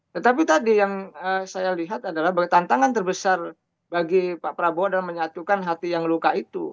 tetapi tadi yang saya lihat adalah tantangan terbesar bagi pak prabowo dalam menyatukan hati yang luka itu